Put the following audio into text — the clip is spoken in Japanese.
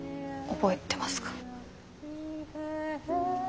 覚えてます。